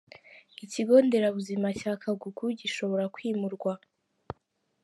Ikigo Nderabuzima cya Kagugu gishobora kwimurwa